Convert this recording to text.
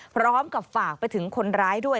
พร้อมกับฝากไปถึงคนร้ายด้วย